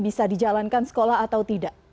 bisa dijalankan sekolah atau tidak